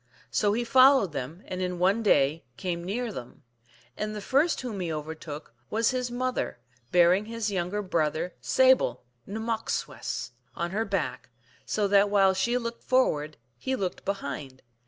So he followed them, and in one day came near them. And the first whom he overtook was his mother, bearing his younger brother Sable ( Nmmok swess, P.) on her back, so that while she looked forward he looked behind.